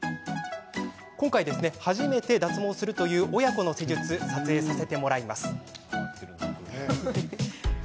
今回、初めて脱毛するという親子の施術を撮影させてもらいます。